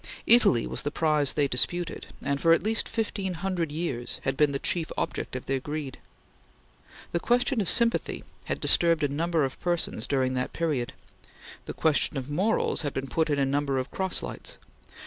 Italy was the prize they disputed, and for at least fifteen hundred years had been the chief object of their greed. The question of sympathy had disturbed a number of persons during that period. The question of morals had been put in a number of cross lights.